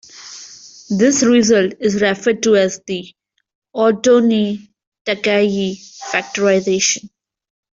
This result is referred to as the Autonne-Takagi factorization.